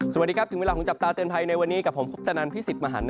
สวัสดีครับถึงเวลาของจับตาเตือนภัยในวันนี้กับผมคุปตนันพิสิทธิ์มหัน